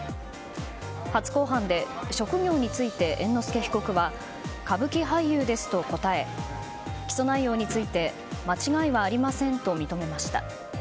初公判で、職業について猿之助被告は歌舞伎俳優ですと答え起訴内容について間違いはありませんと認めました。